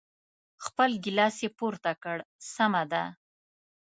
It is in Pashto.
خپل ګیلاس یې پورته کړ، سمه ده.